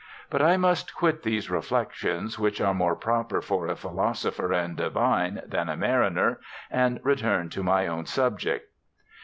But I must quit these reflections, which are more proper for a philosopher and divine than a mariner, and re turn to my own subject."